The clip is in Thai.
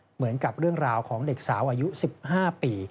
เหมือนกับเรื่องราวของเด็กสาวอายุ๑๕ปี